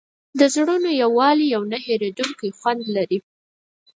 د زړونو یووالی یو نه هېرېدونکی خوند لري.